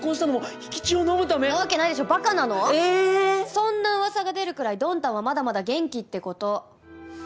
そんな噂が出るくらいドンタンはまだまだ元気って事。